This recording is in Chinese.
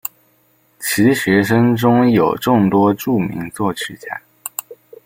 其学生中有众多着名作曲家。